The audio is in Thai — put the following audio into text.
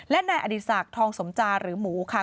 และนายอดีศาสตร์ทองสมจารึหมูค่ะ